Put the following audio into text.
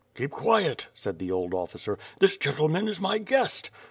"Keep quiet," said the old officer, "this gentleman is my guest."